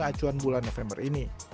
mengacuan bulan november ini